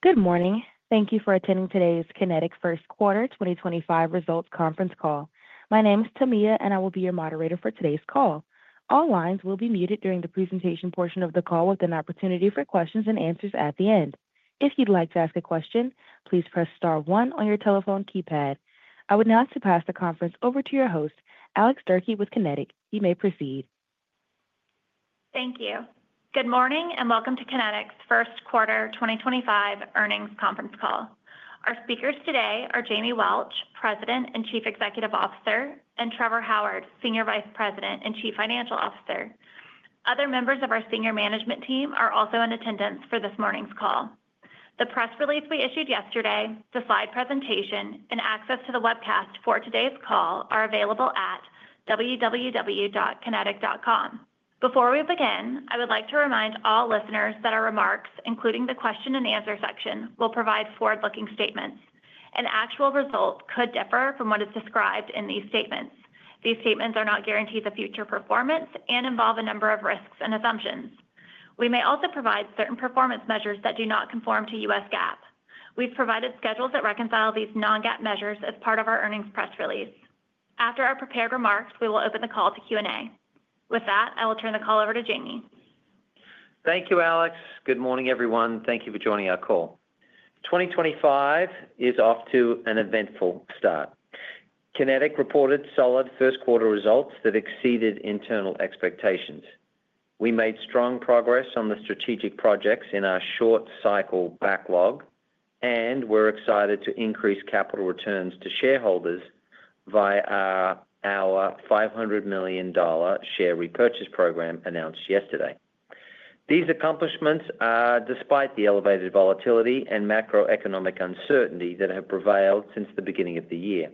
Good morning. Thank you for attending today's Kinetik First Quarter 2025 Results Conference call. My name is Tamia, and I will be your moderator for today's call. All lines will be muted during the presentation portion of the call with an opportunity for questions and answers at the end. If you'd like to ask a question, please press star one on your telephone keypad. I would now pass the conference over to your host, Alex Durkee with Kinetik. You may proceed. Thank you. Good morning and welcome to Kinetik's First Quarter 2025 Earnings Conference call. Our speakers today are Jamie Welch, President and Chief Executive Officer, and Trevor Howard, Senior Vice President and Chief Financial Officer. Other members of our senior management team are also in attendance for this morning's call. The press release we issued yesterday, the slide presentation, and access to the webcast for today's call are available at www.kinetik.com. Before we begin, I would like to remind all listeners that our remarks, including the question and answer section, will provide forward-looking statements. An actual result could differ from what is described in these statements. These statements are not guaranteed the future performance and involve a number of risks and assumptions. We may also provide certain performance measures that do not conform to U.S. GAAP. We've provided schedules that reconcile these non-GAAP measures as part of our earnings press release. After our prepared remarks, we will open the call to Q&A. With that, I will turn the call over to Jamie. Thank you, Alex. Good morning, everyone. Thank you for joining our call. 2024 is off to an eventful start. Kinetik reported solid first quarter results that exceeded internal expectations. We made strong progress on the strategic projects in our short cycle backlog, and we're excited to increase capital returns to shareholders via our $500 million share repurchase program announced yesterday. These accomplishments are despite the elevated volatility and macroeconomic uncertainty that have prevailed since the beginning of the year.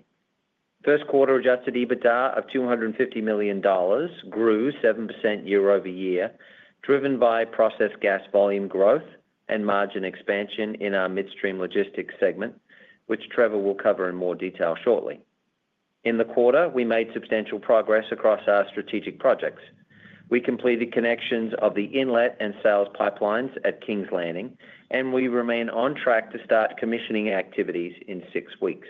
First quarter adjusted EBITDA of $250 million grew 7% year-over-year, driven by processed gas volume growth and margin expansion in our Midstream Logistics segment, which Trevor will cover in more detail shortly. In the quarter, we made substantial progress across our strategic projects. We completed connections of the inlet and sales pipelines at Kings Landing, and we remain on track to start commissioning activities in six weeks.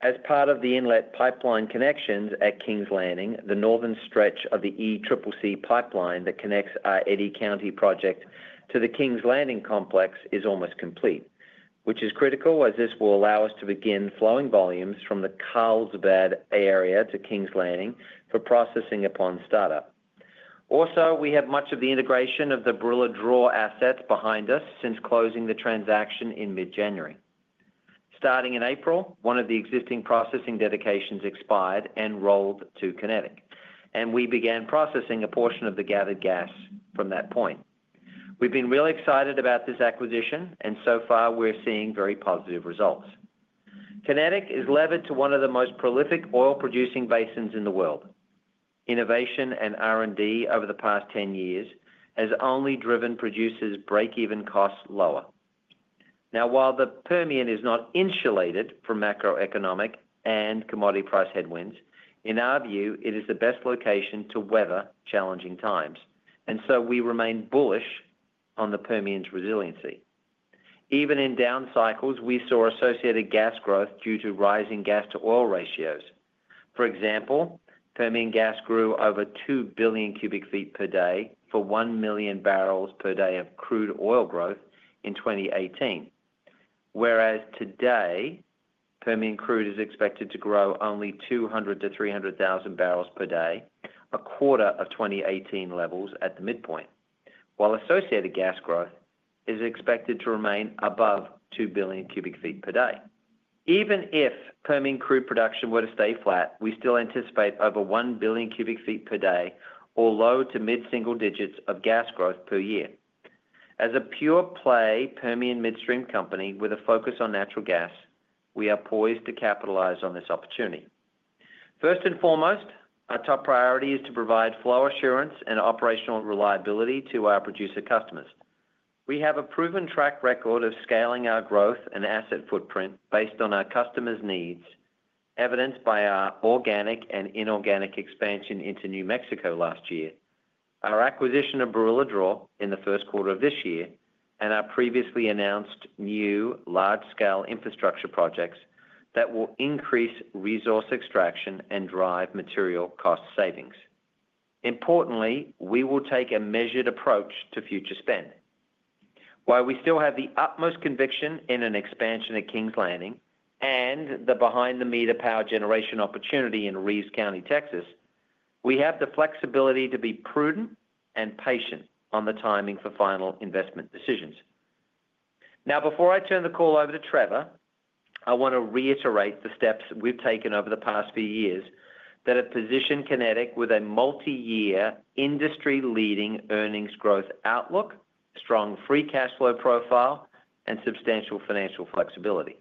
As part of the inlet pipeline connections at Kings Landing, the northern stretch of the ECCC pipeline that connects our Eddy County project to the Kings Landing complex is almost complete, which is critical as this will allow us to begin flowing volumes from the Carlsbad area to Kings Landing for processing upon startup. Also, we have much of the integration of the Briller Draw assets behind us since closing the transaction in mid-January. Starting in April, one of the existing processing dedications expired and rolled to Kinetik, and we began processing a portion of the gathered gas from that point. We've been really excited about this acquisition, and so far we're seeing very positive results. Kinetik is levered to one of the most prolific oil-producing basins in the world. Innovation and R&D over the past 10 years has only driven producers' break-even costs lower. Now, while the Permian is not insulated from macroeconomic and commodity price headwinds, in our view, it is the best location to weather challenging times, and so we remain bullish on the Permian's resiliency. Even in down cycles, we saw associated gas growth due to rising gas-to-oil ratios. For example, Permian gas grew over 2 billion cubic feet per day for 1 million barrels per day of crude oil growth in 2018, whereas today Permian crude is expected to grow only 200,000-300,000 barrels per day, a quarter of 2018 levels at the midpoint, while associated gas growth is expected to remain above 2 billion cubic feet per day. Even if Permian crude production were to stay flat, we still anticipate over 1 billion cubic feet per day or low to mid-single digits of gas growth per year. As a pure-play Permian midstream company with a focus on natural gas, we are poised to capitalize on this opportunity. First and foremost, our top priority is to provide flow assurance and operational reliability to our producer customers. We have a proven track record of scaling our growth and asset footprint based on our customers' needs, evidenced by our organic and inorganic expansion into New Mexico last year, our acquisition of Briller Draw in the first quarter of this year, and our previously announced new large-scale infrastructure projects that will increase resource extraction and drive material cost savings. Importantly, we will take a measured approach to future spend. While we still have the utmost conviction in an expansion at Kings Landing and the behind-the-meter power generation opportunity in Reeves County, Texas, we have the flexibility to be prudent and patient on the timing for final investment decisions. Now, before I turn the call over to Trevor, I want to reiterate the steps we've taken over the past few years that have positioned Kinetik with a multi-year industry-leading earnings growth outlook, strong free cash flow profile, and substantial financial flexibility.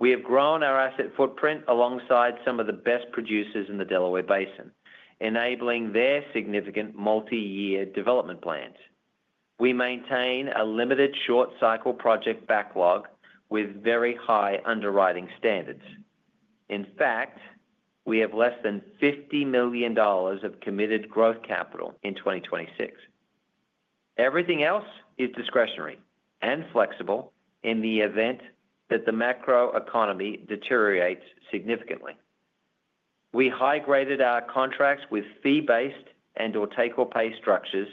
We have grown our asset footprint alongside some of the best producers in the Delaware Basin, enabling their significant multi-year development plans. We maintain a limited short cycle project backlog with very high underwriting standards. In fact, we have less than $50 million of committed growth capital in 2026. Everything else is discretionary and flexible in the event that the macroeconomy deteriorates significantly. We high-graded our contracts with fee-based and/or take-or-pay structures,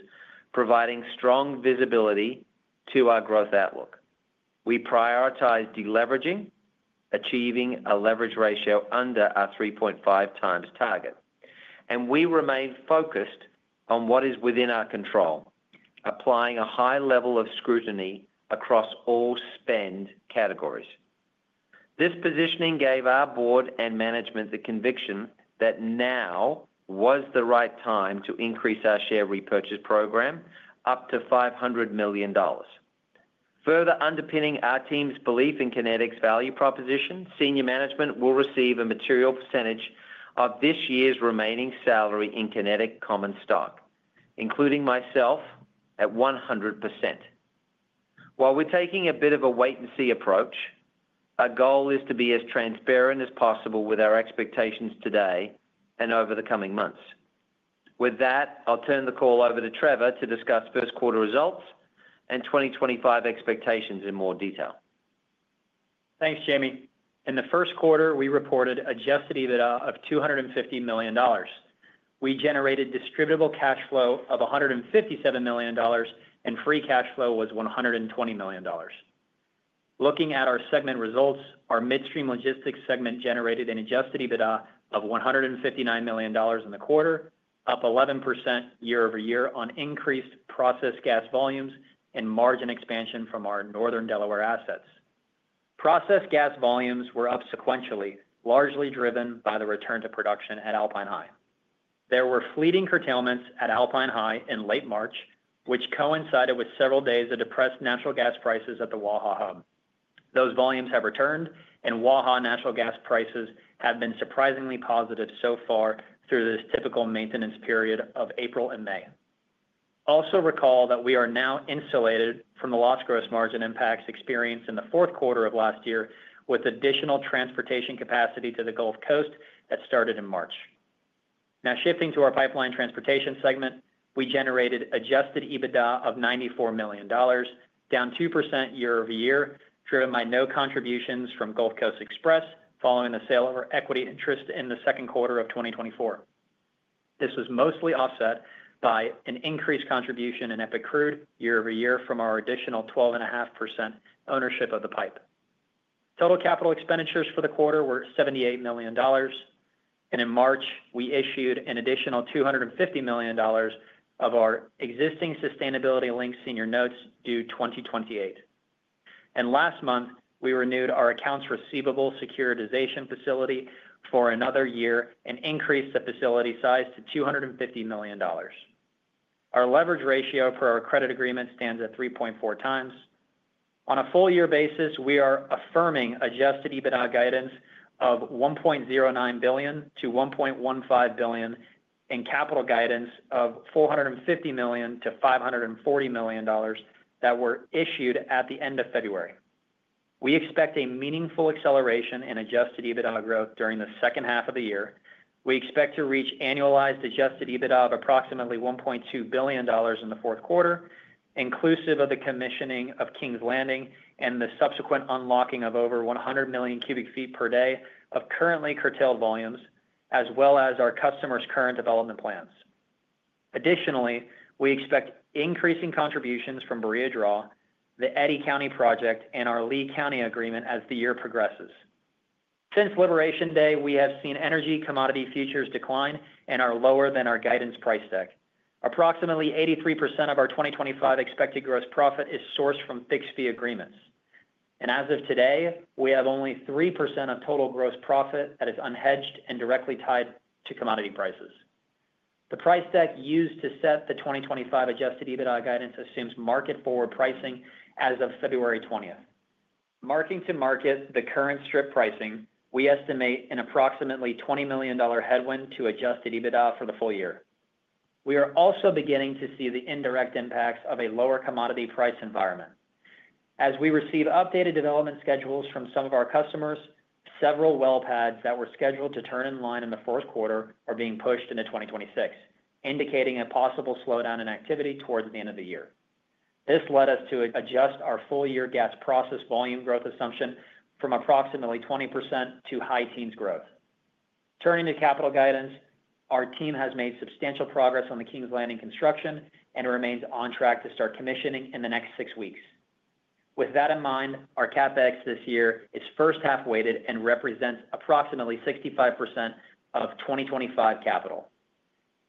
providing strong visibility to our growth outlook. We prioritize deleveraging, achieving a leverage ratio under our 3.5 times target, and we remain focused on what is within our control, applying a high level of scrutiny across all spend categories. This positioning gave our board and management the conviction that now was the right time to increase our share repurchase program up to $500 million. Further underpinning our team's belief in Kinetik's value proposition, senior management will receive a material percentage of this year's remaining salary in Kinetik Common Stock, including myself, at 100%. While we're taking a bit of a wait-and-see approach, our goal is to be as transparent as possible with our expectations today and over the coming months. With that, I'll turn the call over to Trevor to discuss first quarter results and 2025 expectations in more detail. Thanks, Jamie. In the first quarter, we reported adjusted EBITDA of $250 million. We generated distributable cash flow of $157 million, and free cash flow was $120 million. Looking at our segment results, our midstream logistics segment generated an adjusted EBITDA of $159 million in the quarter, up 11% year-over-year on increased process gas volumes and margin expansion from our northern Delaware assets. Process gas volumes were up sequentially, largely driven by the return to production at Alpine High. There were fleeting curtailments at Alpine High in late March, which coincided with several days of depressed natural gas prices at the Waha Hub. Those volumes have returned, and Waha natural gas prices have been surprisingly positive so far through this typical maintenance period of April and May. Also recall that we are now insulated from the loss gross margin impacts experienced in the fourth quarter of last year with additional transportation capacity to the Gulf Coast that started in March. Now shifting to our pipeline transportation segment, we generated adjusted EBITDA of $94 million, down 2% year-over-year, driven by no contributions from Gulf Coast Express following the sale of our equity interest in the second quarter of 2024. This was mostly offset by an increased contribution in Epic Crude year-over-year from our additional 12.5% ownership of the pipe. Total capital expenditures for the quarter were $78 million, and in March, we issued an additional $250 million of our existing Sustainability Link senior notes due 2028. Last month, we renewed our accounts receivable securitization facility for another year and increased the facility size to $250 million. Our leverage ratio per our credit agreement stands at 3.4 times. On a full-year basis, we are affirming adjusted EBITDA guidance of $1.09 billion-$1.15 billion and capital guidance of $450 million-$540 million that were issued at the end of February. We expect a meaningful acceleration in adjusted EBITDA growth during the second half of the year. We expect to reach annualized adjusted EBITDA of approximately $1.2 billion in the fourth quarter, inclusive of the commissioning of Kings Landing and the subsequent unlocking of over 100 million cubic feet per day of currently curtailed volumes, as well as our customers' current development plans. Additionally, we expect increasing contributions from Briller Draw, the Eddy County project, and our Lee County agreement as the year progresses. Since Liberation Day, we have seen energy commodity futures decline and are lower than our guidance price deck. Approximately 83% of our 2025 expected gross profit is sourced from fixed fee agreements. As of today, we have only 3% of total gross profit that is unhedged and directly tied to commodity prices. The price deck used to set the 2025 adjusted EBITDA guidance assumes market-forward pricing as of February 20th. Marking to market the current strip pricing, we estimate an approximately $20 million headwind to adjusted EBITDA for the full year. We are also beginning to see the indirect impacts of a lower commodity price environment. As we receive updated development schedules from some of our customers, several well pads that were scheduled to turn in line in the fourth quarter are being pushed into 2026, indicating a possible slowdown in activity towards the end of the year. This led us to adjust our full-year gas process volume growth assumption from approximately 20% to high teens growth. Turning to capital guidance, our team has made substantial progress on the Kings Landing construction and remains on track to start commissioning in the next six weeks. With that in mind, our CapEx this year is first half weighted and represents approximately 65% of 2025 capital.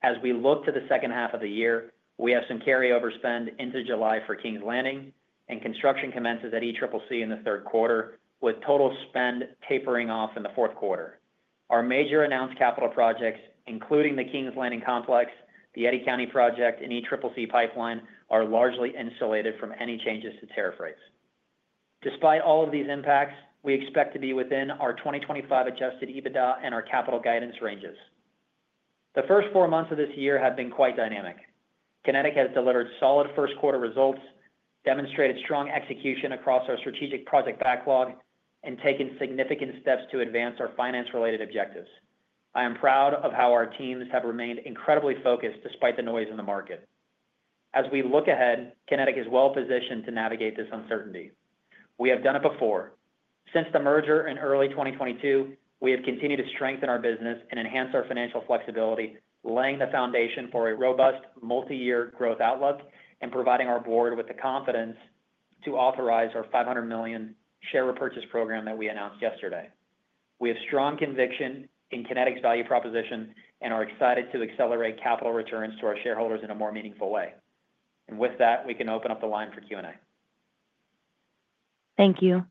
As we look to the second half of the year, we have some carryover spend into July for Kings Landing, and construction commences at ECCC in the third quarter, with total spend tapering off in the fourth quarter. Our major announced capital projects, including the Kings Landing complex, the Eddy County project, and ECCC pipeline, are largely insulated from any changes to tariff rates. Despite all of these impacts, we expect to be within our 2025 adjusted EBITDA and our capital guidance ranges. The first four months of this year have been quite dynamic. Kinetik has delivered solid first quarter results, demonstrated strong execution across our strategic project backlog, and taken significant steps to advance our finance-related objectives. I am proud of how our teams have remained incredibly focused despite the noise in the market. As we look ahead, Kinetik is well positioned to navigate this uncertainty. We have done it before. Since the merger in early 2022, we have continued to strengthen our business and enhance our financial flexibility, laying the foundation for a robust multi-year growth outlook and providing our board with the confidence to authorize our $500 million share repurchase program that we announced yesterday. We have strong conviction in Kinetik's value proposition and are excited to accelerate capital returns to our shareholders in a more meaningful way. With that, we can open up the line for Q&A. Thank you.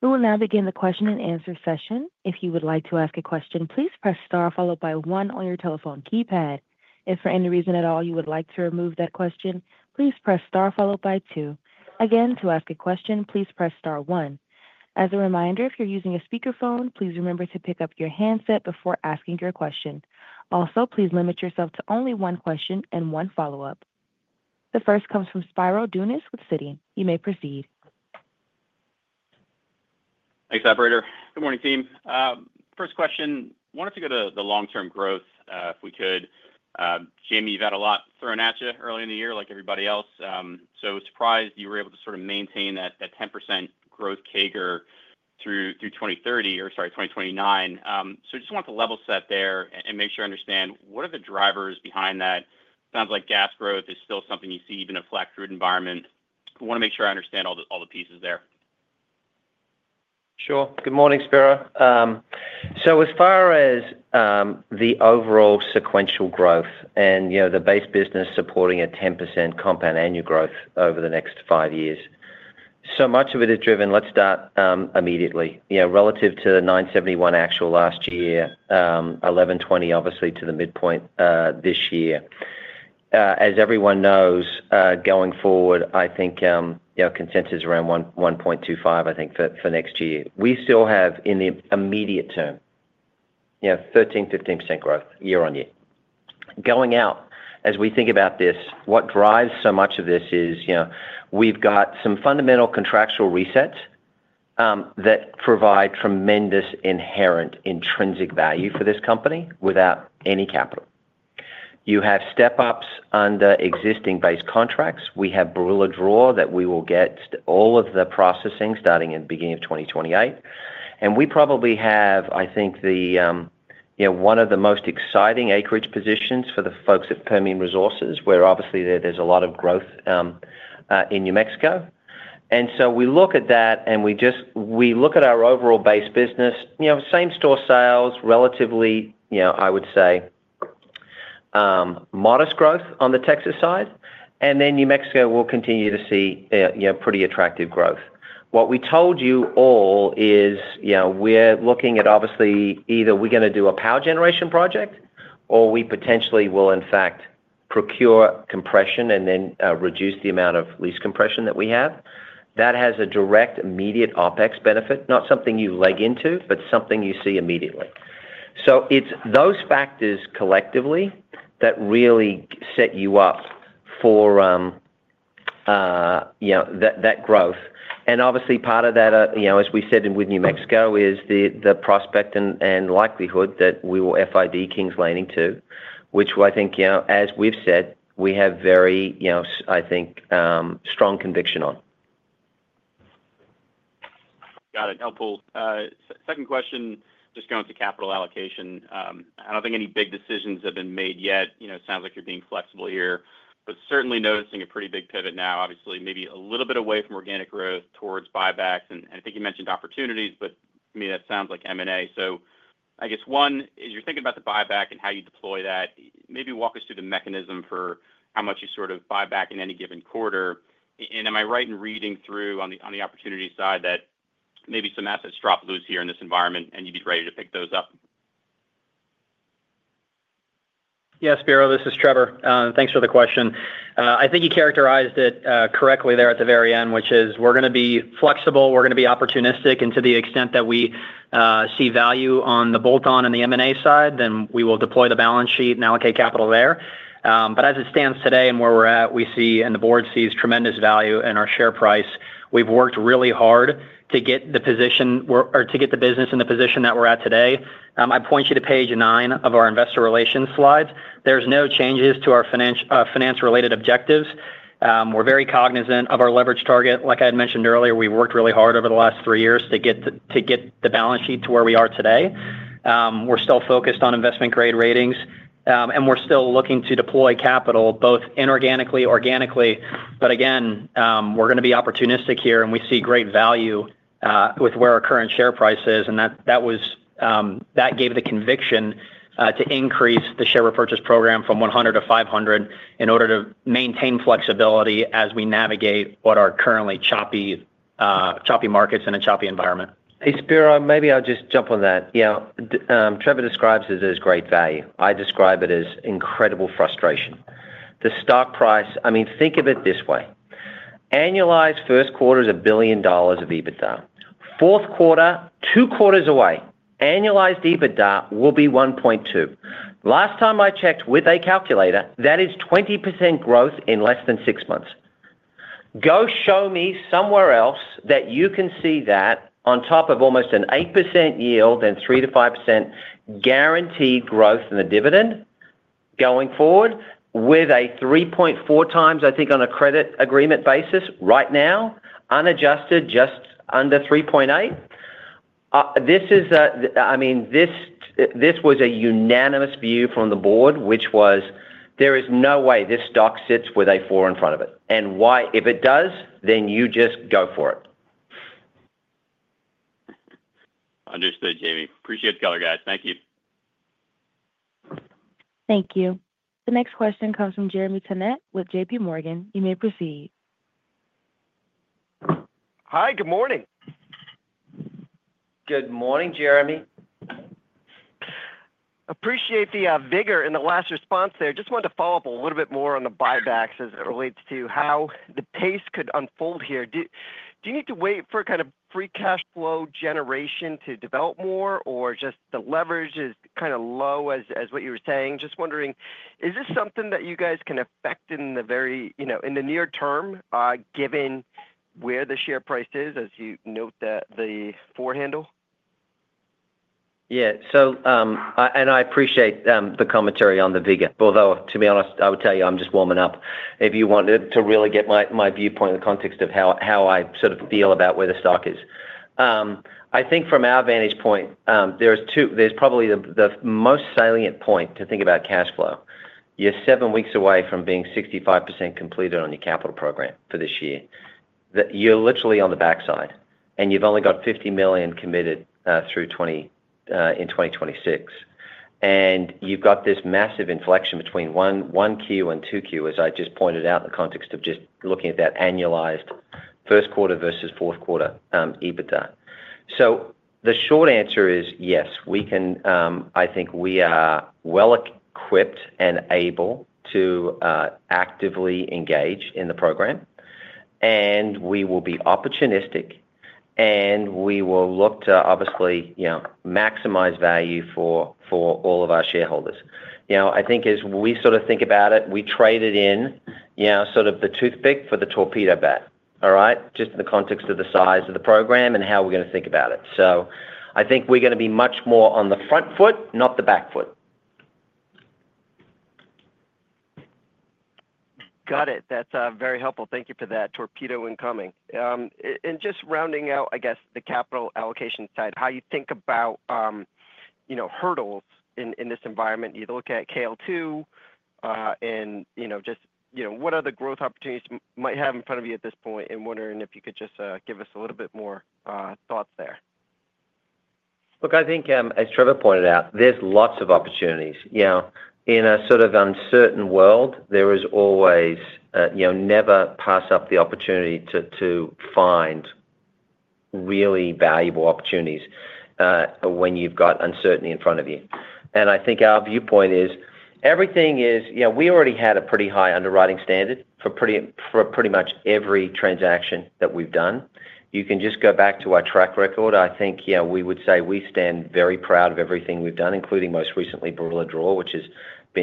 We will now begin the question and answer session. If you would like to ask a question, please press star followed by one on your telephone keypad. If for any reason at all you would like to remove that question, please press star followed by two. Again, to ask a question, please press star one. As a reminder, if you're using a speakerphone, please remember to pick up your handset before asking your question. Also, please limit yourself to only one question and one follow-up. The first comes from Spiro Dounis with Citi. You may proceed. Thanks, Operator. Good morning, team. First question, wanted to go to the long-term growth if we could. Jamie, you've had a lot thrown at you early in the year like everybody else. Surprised you were able to sort of maintain that 10% growth CAGR through 2030 or sorry, 2029. Just wanted to level set there and make sure I understand what are the drivers behind that. Sounds like gas growth is still something you see even in a flat crude environment. Want to make sure I understand all the pieces there. Sure. Good morning, Spiro. As far as the overall sequential growth and the base business supporting a 10% compound annual growth over the next five years, so much of it is driven, let's start immediately, relative to the 971 actual last year, 1,120 obviously to the midpoint this year. As everyone knows, going forward, I think consensus around 1.25, I think, for next year. We still have in the immediate term 13-15% growth year-on-year. Going out, as we think about this, what drives so much of this is we've got some fundamental contractual resets that provide tremendous inherent intrinsic value for this company without any capital. You have step-ups under existing base contracts. We have Briller Draw that we will get all of the processing starting in the beginning of 2028. We probably have, I think, one of the most exciting acreage positions for the folks at Permian Resources where obviously there's a lot of growth in New Mexico. We look at that and we look at our overall base business, same store sales, relatively, I would say, modest growth on the Texas side. New Mexico will continue to see pretty attractive growth. What we told you all is we're looking at obviously either we're going to do a power generation project or we potentially will, in fact, procure compression and then reduce the amount of lease compression that we have. That has a direct immediate OpEx benefit, not something you leg into, but something you see immediately. It is those factors collectively that really set you up for that growth. Obviously part of that, as we said with New Mexico, is the prospect and likelihood that we will FID Kings Landing too, which I think, as we've said, we have very, I think, strong conviction on. Got it. Helpful. Second question, just going to capital allocation. I do not think any big decisions have been made yet. Sounds like you are being flexible here, but certainly noticing a pretty big pivot now, obviously maybe a little bit away from organic growth towards buybacks. I think you mentioned opportunities, but to me that sounds like M&A. I guess one, as you are thinking about the buyback and how you deploy that, maybe walk us through the mechanism for how much you sort of buy back in any given quarter. Am I right in reading through on the opportunity side that maybe some assets drop loose here in this environment and you would be ready to pick those up? Yeah, Spiro, this is Trevor. Thanks for the question. I think you characterized it correctly there at the very end, which is we're going to be flexible, we're going to be opportunistic, and to the extent that we see value on the bolt-on and the M&A side, then we will deploy the balance sheet and allocate capital there. As it stands today and where we're at, we see and the board sees tremendous value in our share price. We've worked really hard to get the position or to get the business in the position that we're at today. I point you to page nine of our investor relations slides. There's no changes to our finance-related objectives. We're very cognizant of our leverage target. Like I had mentioned earlier, we worked really hard over the last three years to get the balance sheet to where we are today. We're still focused on investment-grade ratings, and we're still looking to deploy capital both inorganically, organically. Again, we're going to be opportunistic here and we see great value with where our current share price is. That gave the conviction to increase the share repurchase program from $100 million to $500 million in order to maintain flexibility as we navigate what are currently choppy markets in a choppy environment. Hey, Spiro, maybe I'll just jump on that. Trevor describes it as great value. I describe it as incredible frustration. The stock price, I mean, think of it this way. Annualized first quarter is $1 billion of EBITDA. Fourth quarter, two quarters away, annualized EBITDA will be $1.2 billion. Last time I checked with a calculator, that is 20% growth in less than six months. Go show me somewhere else that you can see that on top of almost an 8% yield and 3-5% guaranteed growth in the dividend going forward with a 3.4 times, I think, on a credit agreement basis right now, unadjusted just under 3.8. I mean, this was a unanimous view from the board, which was there is no way this stock sits with a four in front of it. And why? If it does, then you just go for it. Understood, Jamie. Appreciate the color, guys. Thank you. Thank you. The next question comes from Jeremy Tonette with JP Morgan. You may proceed. Hi, good morning. Good morning, Jeremy. Appreciate the vigor in the last response there. Just wanted to follow up a little bit more on the buybacks as it relates to how the pace could unfold here. Do you need to wait for kind of free cash flow generation to develop more or just the leverage is kind of low as what you were saying? Just wondering, is this something that you guys can affect in the very near term given where the share price is as you note the four handle? Yeah. I appreciate the commentary on the vigor, although to be honest, I would tell you I'm just warming up if you want to really get my viewpoint in the context of how I sort of feel about where the stock is. I think from our vantage point, there's probably the most salient point to think about cash flow. You're seven weeks away from being 65% completed on your capital program for this year. You're literally on the backside and you've only got $50 million committed in 2026. You've got this massive inflection between 1Q and 2Q, as I just pointed out in the context of just looking at that annualized first quarter versus fourth quarter EBITDA. The short answer is yes. I think we are well equipped and able to actively engage in the program. We will be opportunistic and we will look to obviously maximize value for all of our shareholders. I think as we sort of think about it, we traded in sort of the toothpick for the torpedo bat, all right? Just in the context of the size of the program and how we're going to think about it. I think we're going to be much more on the front foot, not the back foot. Got it. That's very helpful. Thank you for that. Torpedo incoming. Just rounding out, I guess, the capital allocation side, how you think about hurdles in this environment, either looking at KL2 and just what other growth opportunities might have in front of you at this point and wondering if you could just give us a little bit more thoughts there. Look, I think as Trevor pointed out, there's lots of opportunities. In a sort of uncertain world, there is always never pass up the opportunity to find really valuable opportunities when you've got uncertainty in front of you. I think our viewpoint is everything is we already had a pretty high underwriting standard for pretty much every transaction that we've done. You can just go back to our track record. I think we would say we stand very proud of everything we've done, including most recently Briller Draw, which has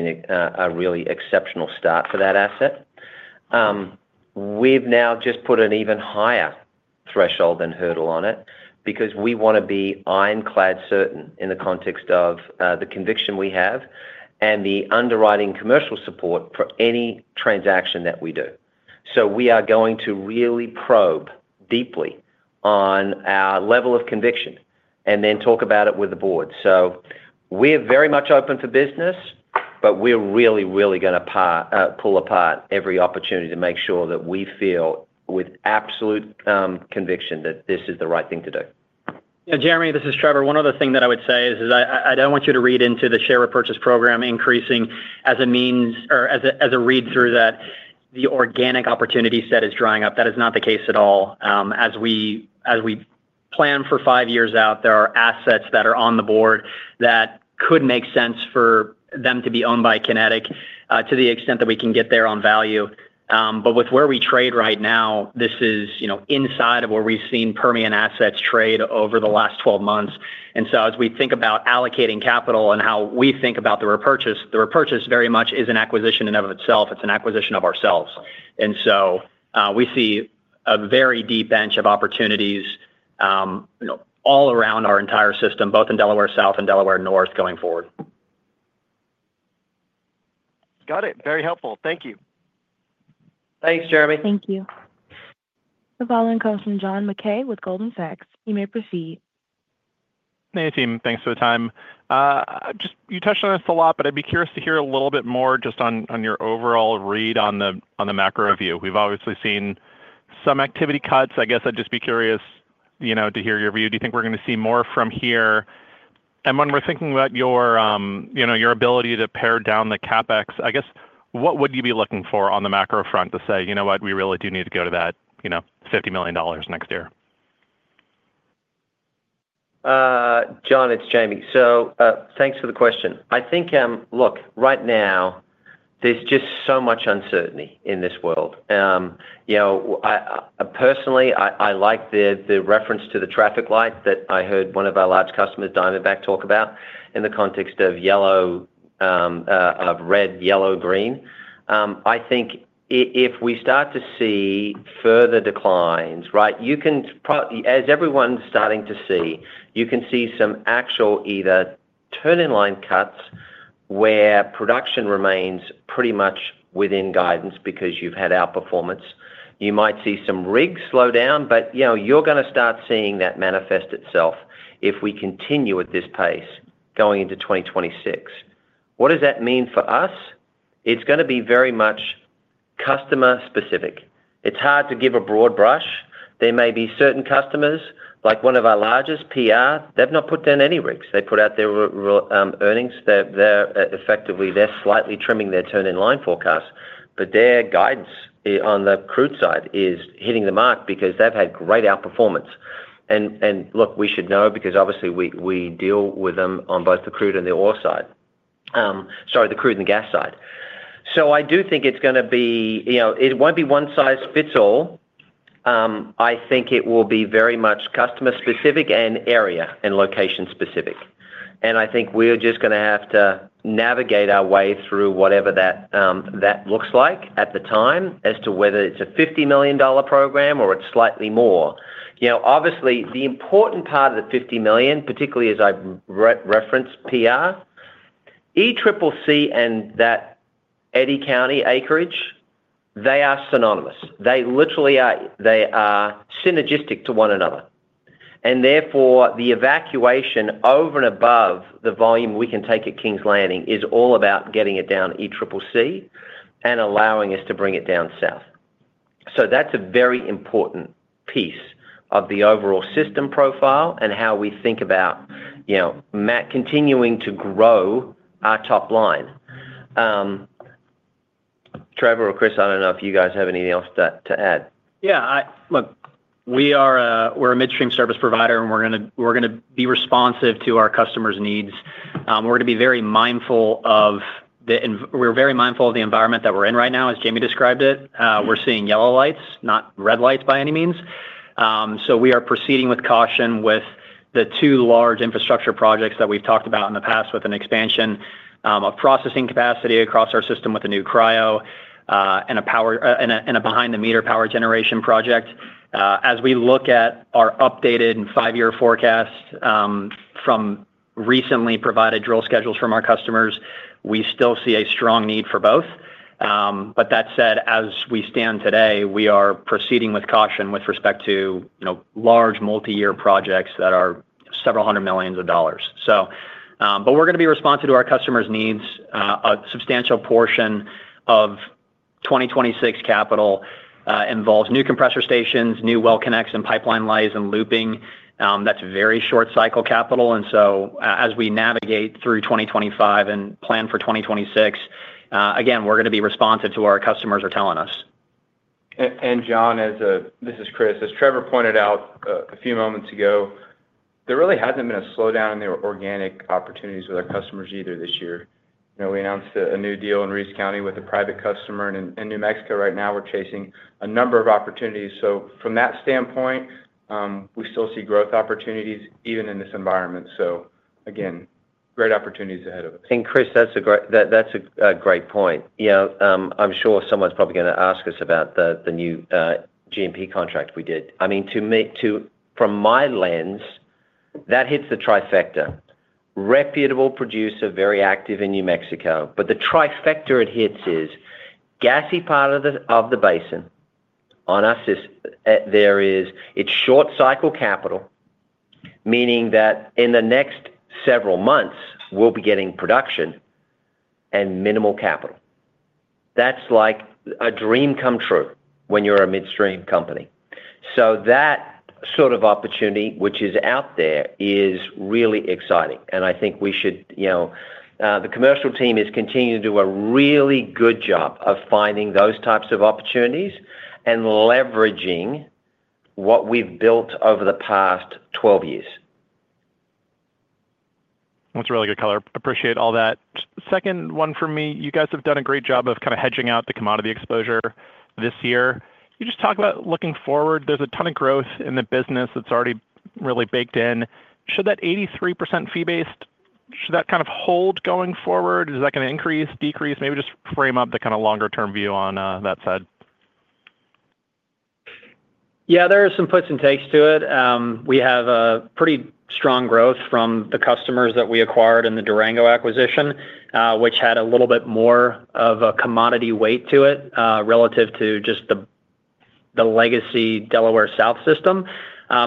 been a really exceptional start for that asset. We've now just put an even higher threshold and hurdle on it because we want to be ironclad certain in the context of the conviction we have and the underwriting commercial support for any transaction that we do. We are going to really probe deeply on our level of conviction and then talk about it with the board. We are very much open for business, but we are really, really going to pull apart every opportunity to make sure that we feel with absolute conviction that this is the right thing to do. Yeah, Jeremy, this is Trevor. One other thing that I would say is I do not want you to read into the share repurchase program increasing as a means or as a read through that the organic opportunity set is drying up. That is not the case at all. As we plan for five years out, there are assets that are on the board that could make sense for them to be owned by Kinetik to the extent that we can get there on value. With where we trade right now, this is inside of where we have seen Permian assets trade over the last 12 months. As we think about allocating capital and how we think about the repurchase, the repurchase very much is an acquisition in and of itself. It is an acquisition of ourselves. We see a very deep bench of opportunities all around our entire system, both in Delaware South and Delaware North going forward. Got it. Very helpful. Thank you. Thanks, Jeremy. Thank you. The following comes from John Mackay with Goldman Sachs. You may proceed. Hey, team. Thanks for the time. You touched on this a lot, but I'd be curious to hear a little bit more just on your overall read on the macro view. We've obviously seen some activity cuts. I guess I'd just be curious to hear your view. Do you think we're going to see more from here? When we're thinking about your ability to pare down the CapEx, I guess what would you be looking for on the macro front to say, "You know what? We really do need to go to that $50 million next year? John, it's Jamie. Thanks for the question. I think, look, right now, there's just so much uncertainty in this world. Personally, I like the reference to the traffic light that I heard one of our large customers, Diamondback, talk about in the context of red, yellow, green. I think if we start to see further declines, right, as everyone's starting to see, you can see some actual either turn-in-line cuts where production remains pretty much within guidance because you've had outperformance. You might see some rigs slow down, but you're going to start seeing that manifest itself if we continue at this pace going into 2026. What does that mean for us? It's going to be very much customer-specific. It's hard to give a broad brush. There may be certain customers, like one of our largest, PR, they've not put down any rigs. They put out their earnings. Effectively, they're slightly trimming their turn-in-line forecast, but their guidance on the crude side is hitting the mark because they've had great outperformance. Look, we should know because obviously we deal with them on both the crude and the gas side—sorry, the crude and gas side. I do think it is going to be it will not be one size fits all. I think it will be very much customer-specific and area and location-specific. I think we are just going to have to navigate our way through whatever that looks like at the time as to whether it is a $50 million program or it is slightly more. Obviously, the important part of the $50 million, particularly as I referenced PR, ECCC and that Eddy County acreage, they are synonymous. They literally are synergistic to one another. Therefore, the evacuation over and above the volume we can take at Kings Landing is all about getting it down to ECCC and allowing us to bring it down south. That is a very important piece of the overall system profile and how we think about continuing to grow our top line. Trevor or Kris, I do not know if you guys have anything else to add. Yeah. Look, we're a midstream service provider and we're going to be responsive to our customers' needs. We're going to be very mindful of the environment that we're in right now, as Jamie described it. We're seeing yellow lights, not red lights by any means. We are proceeding with caution with the two large infrastructure projects that we've talked about in the past with an expansion of processing capacity across our system with a new cryo and a behind-the-meter power generation project. As we look at our updated five-year forecast from recently provided drill schedules from our customers, we still see a strong need for both. That said, as we stand today, we are proceeding with caution with respect to large multi-year projects that are several hundred million dollars. We're going to be responsive to our customers' needs. A substantial portion of 2026 capital involves new compressor stations, new well connects and pipeline lines and looping. That is very short-cycle capital. As we navigate through 2025 and plan for 2026, again, we are going to be responsive to what our customers are telling us. John, this is Kris. As Trevor pointed out a few moments ago, there really has not been a slowdown in the organic opportunities with our customers either this year. We announced a new deal in Reeves County with a private customer in New Mexico. Right now, we are chasing a number of opportunities. From that standpoint, we still see growth opportunities even in this environment. Again, great opportunities ahead of us. Chris, that's a great point. I'm sure someone's probably going to ask us about the new GMP contract we did. I mean, from my lens, that hits the trifecta. Reputable producer, very active in New Mexico. The trifecta it hits is gassy part of the basin. On us, there is it's short-cycle capital, meaning that in the next several months, we'll be getting production and minimal capital. That's like a dream come true when you're a midstream company. That sort of opportunity, which is out there, is really exciting. I think the commercial team is continuing to do a really good job of finding those types of opportunities and leveraging what we've built over the past 12 years. That's a really good color. Appreciate all that. Second one for me, you guys have done a great job of kind of hedging out the commodity exposure this year. You just talk about looking forward, there's a ton of growth in the business that's already really baked in. Should that 83% fee-based, should that kind of hold going forward? Is that going to increase, decrease? Maybe just frame up the kind of longer-term view on that side. Yeah, there are some puts and takes to it. We have pretty strong growth from the customers that we acquired in the Durango acquisition, which had a little bit more of a commodity weight to it relative to just the legacy Delaware South system.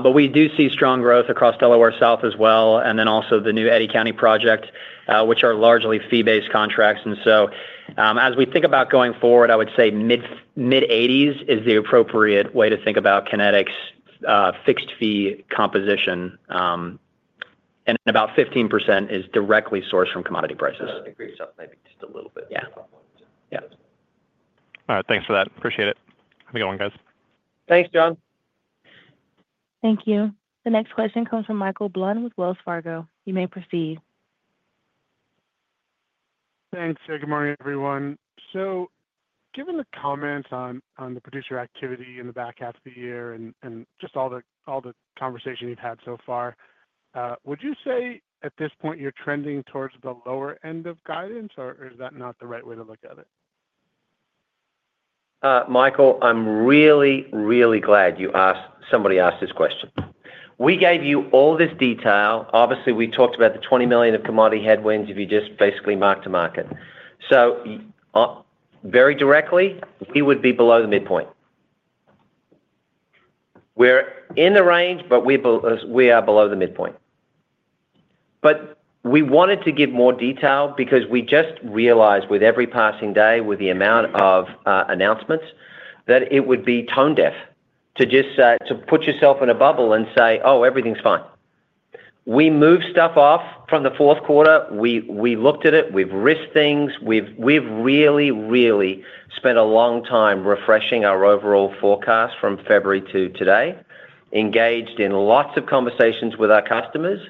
We do see strong growth across Delaware South as well, and then also the new Eddy County project, which are largely fee-based contracts. As we think about going forward, I would say mid-80% is the appropriate way to think about Kinetik's fixed fee composition. About 15% is directly sourced from commodity prices. I agree with yourself, maybe just a little bit. Yeah. All right. Thanks for that. Appreciate it. Have a good one, guys. Thanks, John. Thank you. The next question comes from Michael Blunt with Wells Fargo. You may proceed. Thanks. Good morning, everyone. Given the comments on the producer activity in the back half of the year and just all the conversation you've had so far, would you say at this point you're trending towards the lower end of guidance, or is that not the right way to look at it? Michael, I'm really, really glad somebody asked this question. We gave you all this detail. Obviously, we talked about the $20 million of commodity headwinds if you just basically mark to market. Very directly, we would be below the midpoint. We're in the range, but we are below the midpoint. We wanted to give more detail because we just realized with every passing day, with the amount of announcements, that it would be tone-deaf to just put yourself in a bubble and say, "Oh, everything's fine." We moved stuff off from the fourth quarter. We looked at it. We've risked things. We've really, really spent a long time refreshing our overall forecast from February to today, engaged in lots of conversations with our customers.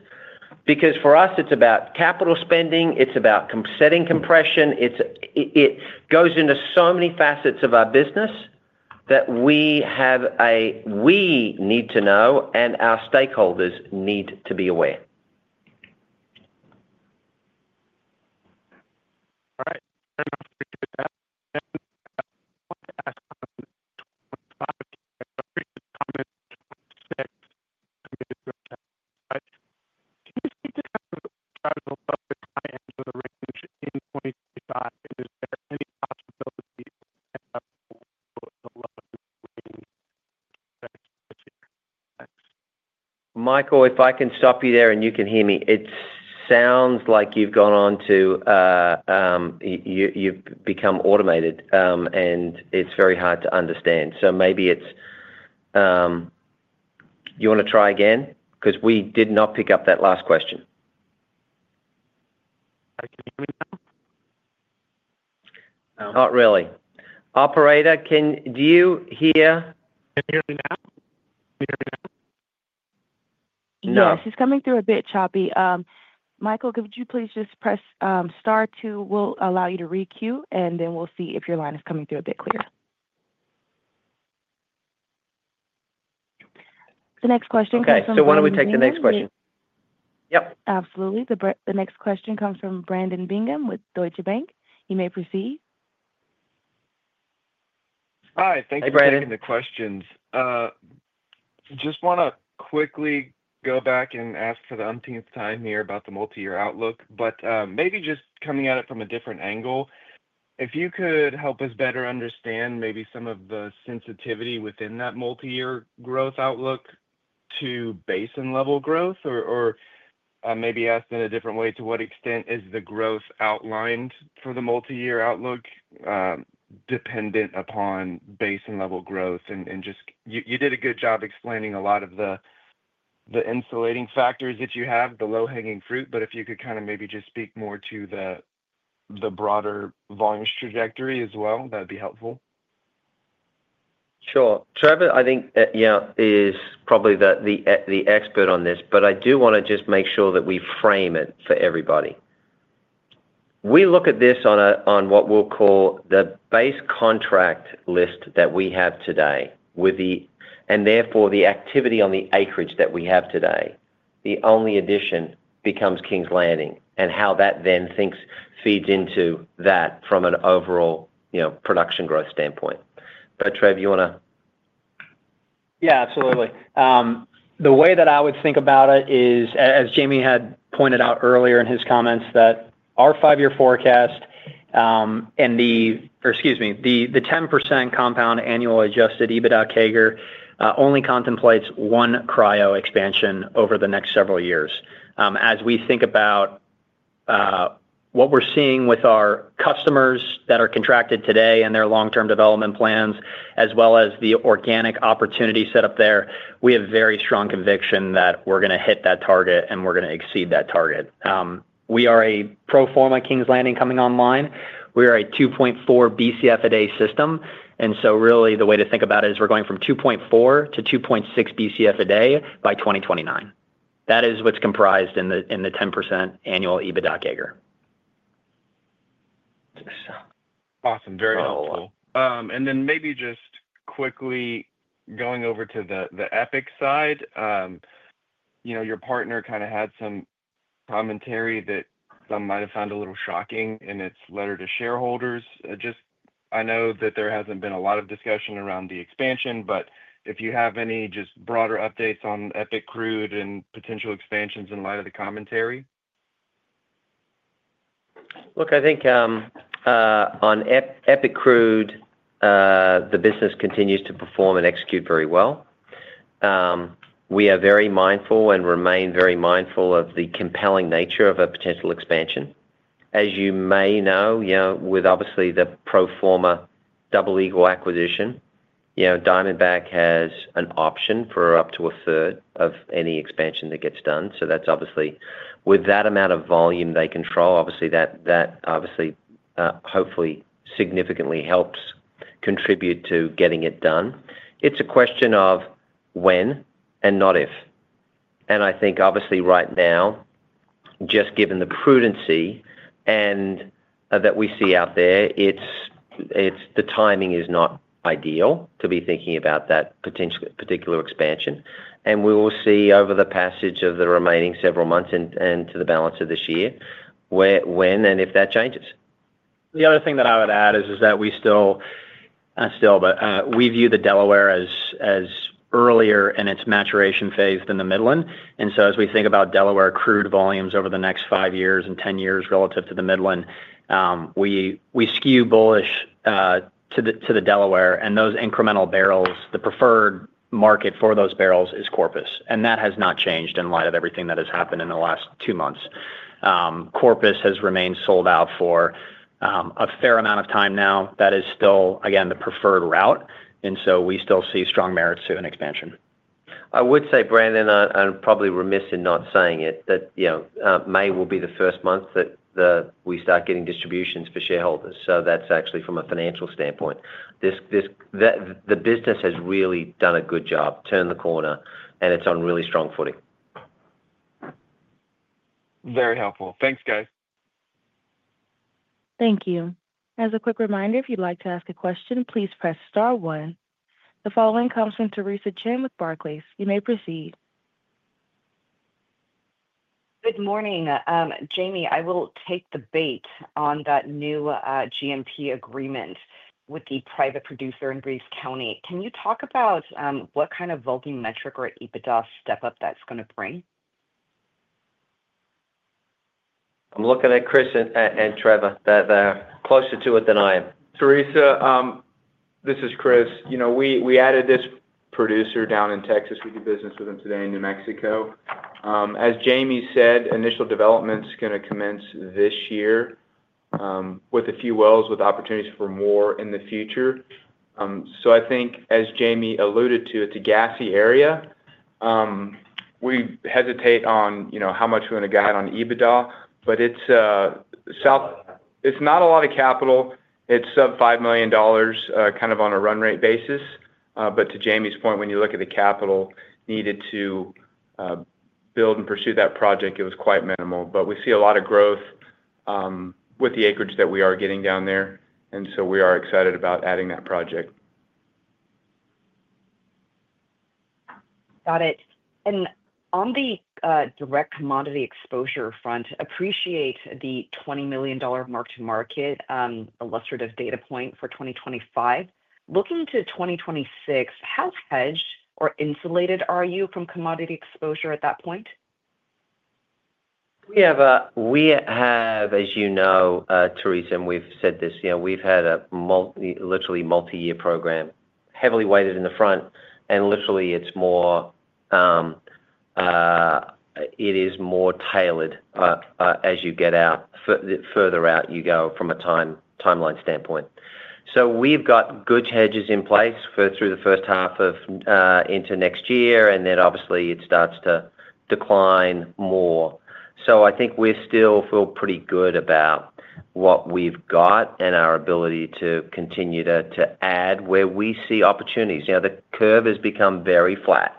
For us, it's about capital spending. It's about setting compression. It goes into so many facets of our business that we have a, we need to know, and our stakeholders need to be aware. All right. I'm going to ask a question about 2025 and the previous comments from the sixth committee of growth. Can you speak to kind of the horizontal upper high end of the range in 2025? Is there any possibility of a lot of swings next year? Thanks. Michael, if I can stop you there and you can hear me, it sounds like you've gone on to, you've become automated, and it's very hard to understand. Maybe you want to try again because we did not pick up that last question. Can you hear me now? Not really. Operator, do you hear? Can you hear me now? No. She's coming through a bit choppy. Michael, could you please just press star two, we'll allow you to re-queue, and then we'll see if your line is coming through a bit clearer. The next question comes from. Okay. So why don't we take the next question? Yep. Absolutely. The next question comes from Brandon Bingham with Deutsche Bank. You may proceed. Hi. Thanks for taking the questions. Just want to quickly go back and ask for the umpteenth time here about the multi-year outlook. Maybe just coming at it from a different angle, if you could help us better understand maybe some of the sensitivity within that multi-year growth outlook to basin-level growth, or maybe asked in a different way, to what extent is the growth outlined for the multi-year outlook dependent upon basin-level growth? You did a good job explaining a lot of the insulating factors that you have, the low-hanging fruit. If you could kind of maybe just speak more to the broader volumes trajectory as well, that'd be helpful. Sure. Trevor, I think is probably the expert on this, but I do want to just make sure that we frame it for everybody. We look at this on what we'll call the base contract list that we have today, and therefore the activity on the acreage that we have today. The only addition becomes Kings Landing and how that then feeds into that from an overall production growth standpoint. Trevor, you want to? Yeah, absolutely. The way that I would think about it is, as Jamie had pointed out earlier in his comments, that our five-year forecast and the, excuse me, the 10% compound annual adjusted EBITDA CAGR only contemplates one cryo expansion over the next several years. As we think about what we're seeing with our customers that are contracted today and their long-term development plans, as well as the organic opportunity set up there, we have very strong conviction that we're going to hit that target and we're going to exceed that target. We are a pro forma Kings Landing coming online. We are a 2.4 BCF a day system. Really, the way to think about it is we're going from 2.4 to 2.6 BCF a day by 2029. That is what's comprised in the 10% annual EBITDA CAGR. Awesome. Very helpful. Maybe just quickly going over to the Epic side, your partner kind of had some commentary that some might have found a little shocking in its letter to shareholders. I know that there has not been a lot of discussion around the expansion, but if you have any just broader updates on Epic Crude and potential expansions in light of the commentary. Look, I think on Epic Crude, the business continues to perform and execute very well. We are very mindful and remain very mindful of the compelling nature of a potential expansion. As you may know, with obviously the pro forma Double Eagle acquisition, Diamondback has an option for up to a third of any expansion that gets done. That is obviously with that amount of volume they control. That hopefully significantly helps contribute to getting it done. It is a question of when and not if. I think right now, just given the prudency that we see out there, the timing is not ideal to be thinking about that particular expansion. We will see over the passage of the remaining several months and to the balance of this year when and if that changes. The other thing that I would add is that we still—not still, but we view the Delaware as earlier in its maturation phase than the Midland. As we think about Delaware crude volumes over the next five years and ten years relative to the Midland, we skew bullish to the Delaware. Those incremental barrels, the preferred market for those barrels is Corpus. That has not changed in light of everything that has happened in the last two months. Corpus has remained sold out for a fair amount of time now. That is still, again, the preferred route. We still see strong merits to an expansion. I would say, Brandon, and I'm probably remiss in not saying it, that May will be the first month that we start getting distributions for shareholders. So that's actually from a financial standpoint. The business has really done a good job, turned the corner, and it's on really strong footing. Very helpful. Thanks, guys. Thank you. As a quick reminder, if you'd like to ask a question, please press star one. The following comes from Theresa Chen with Barclays. You may proceed. Good morning. Jamie, I will take the bait on that new GMP agreement with the private producer in Reeves County. Can you talk about what kind of volumetric or EBITDA step-up that's going to bring? I'm looking at Kris and Trevor. They're closer to it than I am. Teresa, this is Chris. We added this producer down in Texas. We do business with them today in New Mexico. As Jamie said, initial development's going to commence this year with a few wells with opportunities for more in the future. I think, as Jamie alluded to, it's a gassy area. We hesitate on how much we're going to guide on EBITDA, but it's not a lot of capital. It's sub $5 million kind of on a run rate basis. To Jamie's point, when you look at the capital needed to build and pursue that project, it was quite minimal. We see a lot of growth with the acreage that we are getting down there. We are excited about adding that project. Got it. On the direct commodity exposure front, appreciate the $20 million mark-to-market illustrative data point for 2025. Looking to 2026, how hedged or insulated are you from commodity exposure at that point? We have, as you know, Teresa, and we've said this, we've had a literally multi-year program, heavily weighted in the front. Literally, it's more tailored as you get out, the further out you go from a timeline standpoint. We've got good hedges in place through the first half of into next year, and then obviously it starts to decline more. I think we still feel pretty good about what we've got and our ability to continue to add where we see opportunities. The curve has become very flat.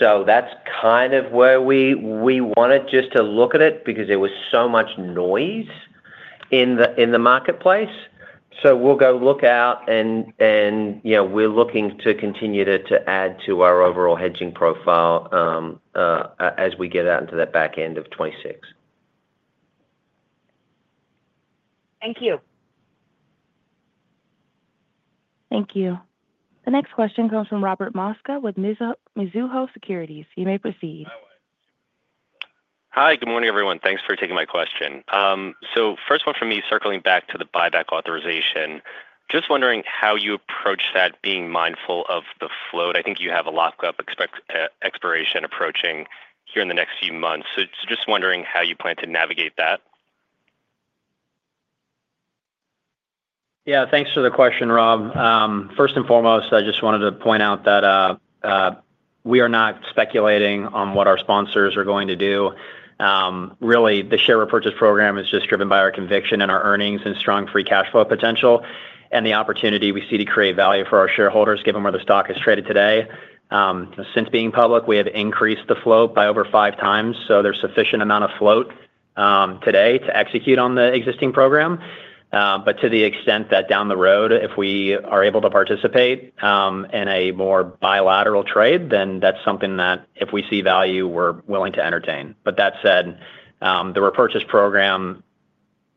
That's kind of where we wanted just to look at it because there was so much noise in the marketplace. We'll go look out, and we're looking to continue to add to our overall hedging profile as we get out into that back end of 2026. Thank you. Thank you. The next question comes from Robert Mosca with Mizuho Securities. You may proceed. Hi. Good morning, everyone. Thanks for taking my question. First one from me, circling back to the buyback authorization. Just wondering how you approach that, being mindful of the float. I think you have a lock-up expiration approaching here in the next few months. Just wondering how you plan to navigate that. Yeah. Thanks for the question, Rob. First and foremost, I just wanted to point out that we are not speculating on what our sponsors are going to do. Really, the share repurchase program is just driven by our conviction and our earnings and strong free cash flow potential and the opportunity we see to create value for our shareholders, given where the stock is traded today. Since being public, we have increased the float by over five times. So there's sufficient amount of float today to execute on the existing program. To the extent that down the road, if we are able to participate in a more bilateral trade, then that's something that if we see value, we're willing to entertain. That said, the repurchase program,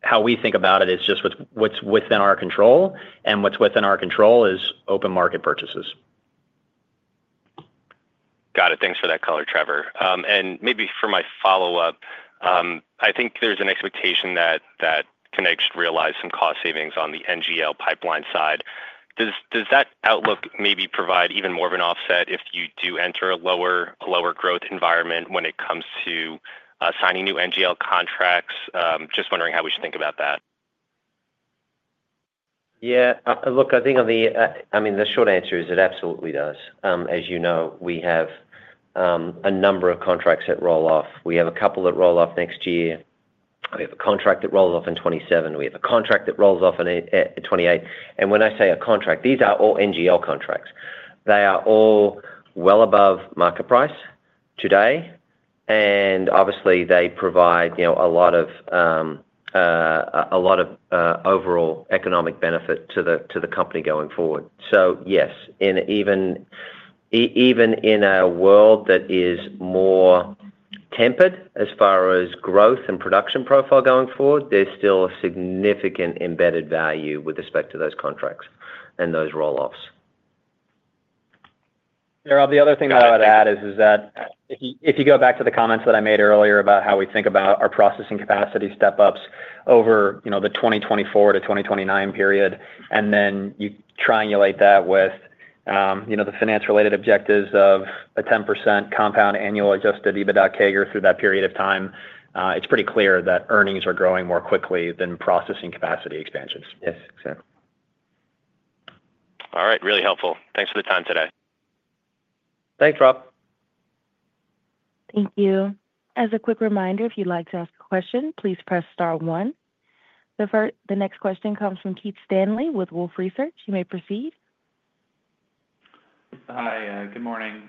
how we think about it is just what's within our control, and what's within our control is open market purchases. Got it. Thanks for that color, Trevor. Maybe for my follow-up, I think there's an expectation that Kinetik realized some cost savings on the NGL pipeline side. Does that outlook maybe provide even more of an offset if you do enter a lower growth environment when it comes to signing new NGL contracts? Just wondering how we should think about that. Yeah. Look, I think on the—I mean, the short answer is it absolutely does. As you know, we have a number of contracts that roll off. We have a couple that roll off next year. We have a contract that rolls off in 2027. We have a contract that rolls off in 2028. And when I say a contract, these are all NGL contracts. They are all well above market price today. Obviously, they provide a lot of overall economic benefit to the company going forward. Yes, even in a world that is more tempered as far as growth and production profile going forward, there is still a significant embedded value with respect to those contracts and those roll-offs. Trevor, the other thing that I would add is that if you go back to the comments that I made earlier about how we think about our processing capacity step-ups over the 2024 to 2029 period, and then you triangulate that with the finance-related objectives of a 10% compound annual adjusted EBITDA CAGR through that period of time, it's pretty clear that earnings are growing more quickly than processing capacity expansions. Yes. Exactly. All right. Really helpful. Thanks for the time today. Thanks, Rob. Thank you. As a quick reminder, if you'd like to ask a question, please press star one. The next question comes from Keith Stanley with Wolfe Research. You may proceed. Hi. Good morning.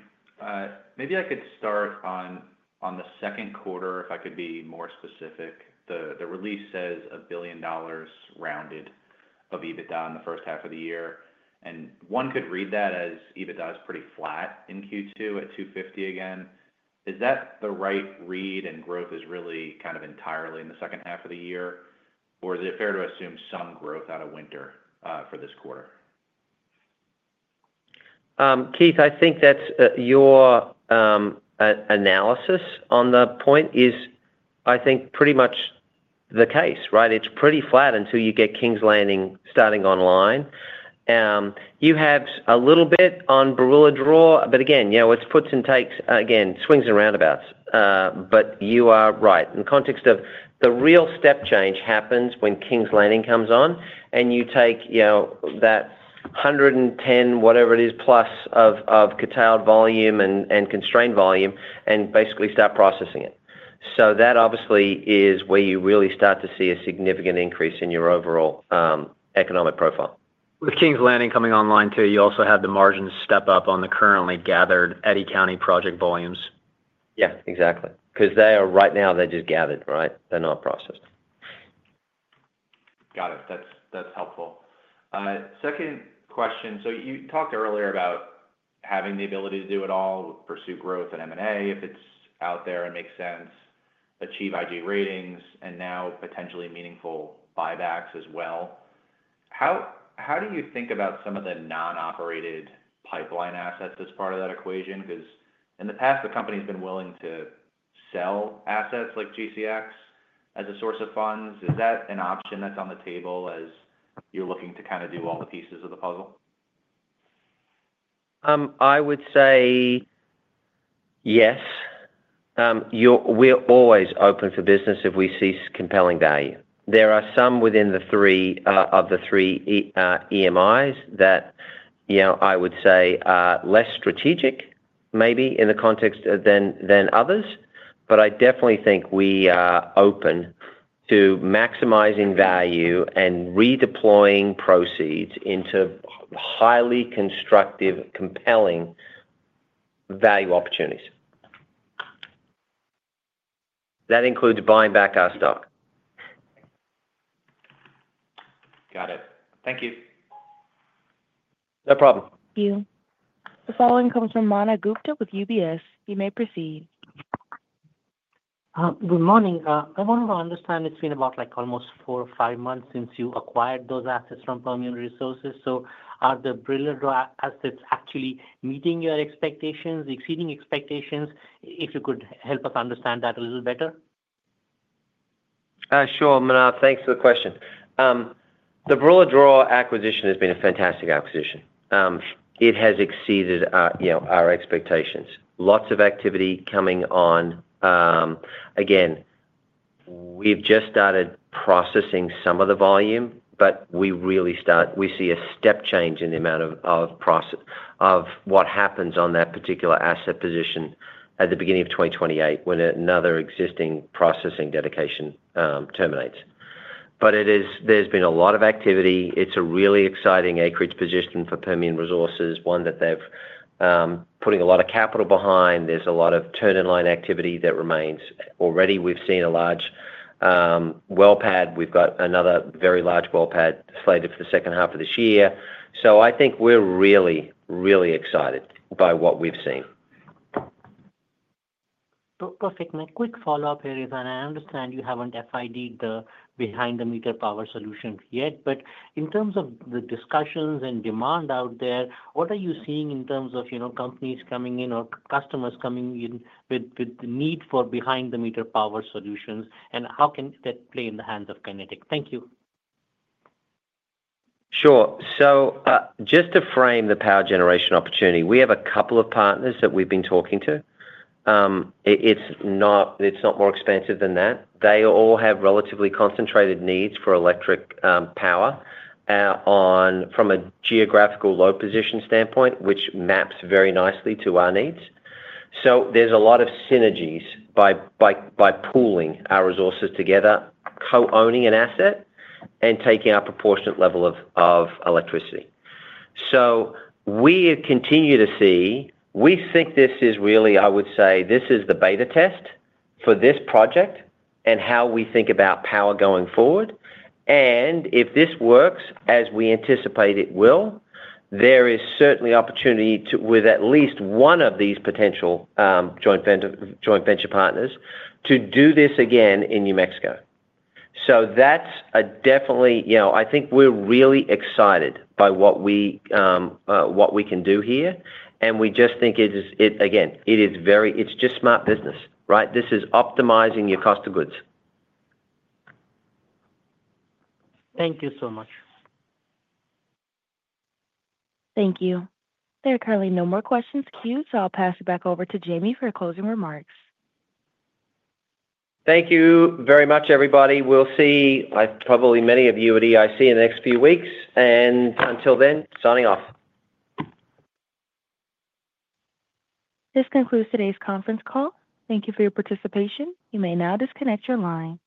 Maybe I could start on the second quarter if I could be more specific. The release says $1 billion rounded of EBITDA in the first half of the year. One could read that as EBITDA is pretty flat in Q2 at $250 million again. Is that the right read? Growth is really kind of entirely in the second half of the year. Is it fair to assume some growth out of winter for this quarter? Keith, I think that your analysis on the point is, I think, pretty much the case, right? It's pretty flat until you get Kings Landing starting online. You have a little bit on Briller Draw, but again, it's puts and takes, again, swings and roundabouts. You are right. In the context of the real step change happens when Kings Landing comes on, and you take that 110, whatever it is, plus of curtailed volume and constrained volume and basically start processing it. That obviously is where you really start to see a significant increase in your overall economic profile. With Kings Landing coming online too, you also have the margins step up on the currently gathered Eddy County project volumes. Yeah. Exactly. Because right now, they're just gathered, right? They're not processed. Got it. That's helpful. Second question. You talked earlier about having the ability to do it all, pursue growth and M&A if it's out there and makes sense, achieve IG ratings, and now potentially meaningful buybacks as well. How do you think about some of the non-operated pipeline assets as part of that equation? Because in the past, the company has been willing to sell assets like GCX as a source of funds. Is that an option that's on the table as you're looking to kind of do all the pieces of the puzzle? I would say yes. We're always open for business if we see compelling value. There are some within the three of the three EMIs that I would say are less strategic maybe in the context than others. I definitely think we are open to maximizing value and redeploying proceeds into highly constructive, compelling value opportunities. That includes buying back our stock. Got it. Thank you. No problem. Thank you. The following comes from Mana Gupta with UBS. You may proceed. Good morning. I want to understand it's been about almost four or five months since you acquired those assets from Permian Resources. So are the Briller Draw assets actually meeting your expectations, exceeding expectations? If you could help us understand that a little better. Sure, Mana. Thanks for the question. The Briller Draw acquisition has been a fantastic acquisition. It has exceeded our expectations. Lots of activity coming on. Again, we've just started processing some of the volume, but we see a step change in the amount of what happens on that particular asset position at the beginning of 2028 when another existing processing dedication terminates. There has been a lot of activity. It's a really exciting acreage position for Permian Resources, one that they're putting a lot of capital behind. There's a lot of turn-in-line activity that remains. Already, we've seen a large well pad. We've got another very large well pad slated for the second half of this year. I think we're really, really excited by what we've seen. Perfect. My quick follow-up here is, and I understand you haven't FID'd the behind-the-meter power solutions yet, but in terms of the discussions and demand out there, what are you seeing in terms of companies coming in or customers coming in with the need for behind-the-meter power solutions, and how can that play in the hands of Kinetik? Thank you. Sure. Just to frame the power generation opportunity, we have a couple of partners that we've been talking to. It's not more expensive than that. They all have relatively concentrated needs for electric power from a geographical low position standpoint, which maps very nicely to our needs. There are a lot of synergies by pooling our resources together, co-owning an asset, and taking a proportionate level of electricity. We continue to see—we think this is really, I would say, this is the beta test for this project and how we think about power going forward. If this works as we anticipate it will, there is certainly opportunity with at least one of these potential joint venture partners to do this again in New Mexico. That's definitely—I think we're really excited by what we can do here. We just think, again, it's just smart business, right? This is optimizing your cost of goods. Thank you so much. Thank you. There are currently no more questions queued, so I'll pass it back over to Jamie for closing remarks. Thank you very much, everybody. We'll see probably many of you at EIC in the next few weeks. Until then, signing off. This concludes today's conference call. Thank you for your participation. You may now disconnect your line.